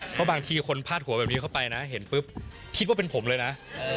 เพราะบางทีคนพาดหัวแบบนี้เข้าไปนะเห็นปุ๊บคิดว่าเป็นผมเลยนะ